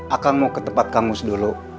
akan mau ke tempat kamus dulu